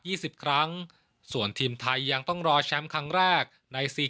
สิบครั้งส่วนทีมไทยยังต้องรอแชมป์ครั้งแรกในสี่